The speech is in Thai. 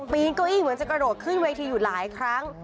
ปีนเก้าอี้เหมือนจะกระโดดขึ้นเวทีอยู่หลายครั้ง